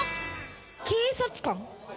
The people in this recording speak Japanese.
警察官？